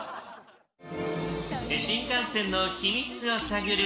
新幹線の秘密を探る